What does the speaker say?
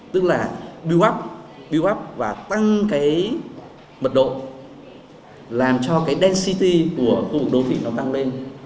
tức là build up và tăng cái mật độ làm cho cái density của khu vực đô thị nó tăng lên